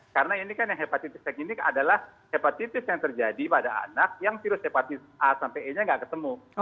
karena ini kan yang hepatitis segini adalah hepatitis yang terjadi pada anak yang virus hepatitis a sampai e nya enggak ketemu